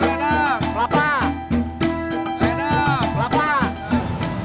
kelapa kelapa kelapa